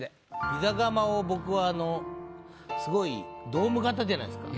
ピザ窯を僕あのすごいドーム型じゃないですか。